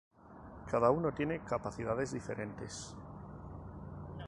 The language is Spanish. Cada uno tiene capacidades diferentes.